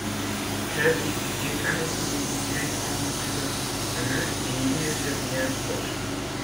Très vite, une amitié naît entre eux et ils deviennent proches.